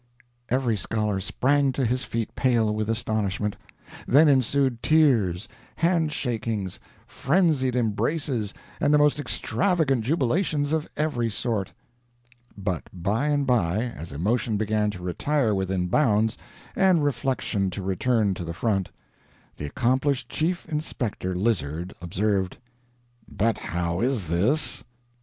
Every scholar sprang to his feet pale with astonishment. Then ensued tears, handshakings, frenzied embraces, and the most extravagant jubilations of every sort. But by and by, as emotion began to retire within bounds, and reflection to return to the front, the accomplished Chief Inspector Lizard observed: "But how is this?